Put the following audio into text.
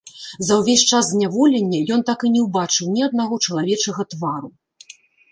За ўвесь час зняволення ён так і не ўбачыў ні аднаго чалавечага твару.